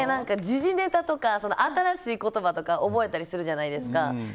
時事ネタとか新しい言葉とか覚えたりするじゃないですか。